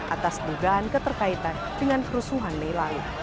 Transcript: atas dugaan keterkaitan dengan kerusuhan mei lalu